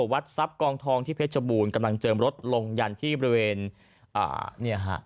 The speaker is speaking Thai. วัดทรัพย์กองทองที่เพชรบูรณ์กำลังเจิมรถลงยันที่บริเวณอ่าเนี่ยฮะ